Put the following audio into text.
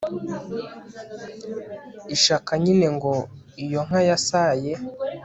ishaka nyine ngo iyo nka yasaye